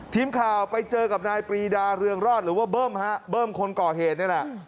ทีมข่าวไปเจอกับนายปรีดาเรืองรอดหรือว่าเบิ้มฮะเบิ้มคนก่อเหตุนี่แหละ